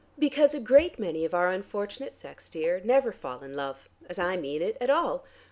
"Because a great many of our unfortunate sex, dear, never fall in love, as I mean it, at all.